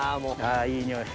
あいい匂い。